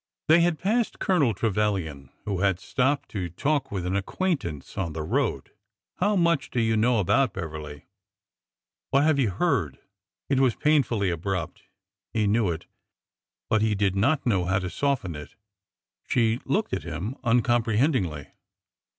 They had passed Colonel Trevilian, who had stopped to talk with an acquaintance on the road. '' How much do you know about Beverly ? What have you heard ?" It was painfully abrupt. He knew it, but he did not know how to soften it. She looked at him uncomprehendingly.